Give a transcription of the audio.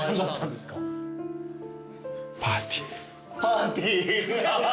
パーティー。